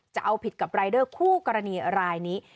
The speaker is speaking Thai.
จะเอาผิดกับรายเดอร์คู่กรณีรายนี้